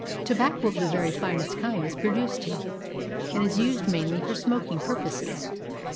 Tobacco of the very finest kind is produced here, and is used mainly for smoking purposes.